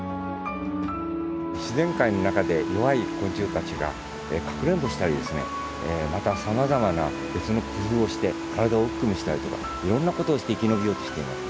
自然界の中で弱い昆虫たちがかくれんぼしたりですねまたさまざまな別の工夫をして体を大きく見せたりとかいろんなことをして生き延びようとしています。